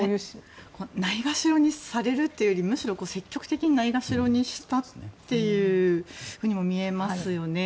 ないがしろにされるというよりむしろ積極的にないがしろにしたとも見えますよね。